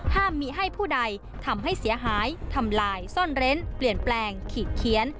ห้ามมีให้ผู้ใดทำให้เสียหายทำลายซ่อนเร้นเปลี่ยนแปลงขีดเขียน